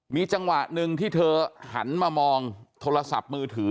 มีจังหวะหนึ่งที่เธอหันมามองโทรศัพท์มือถือ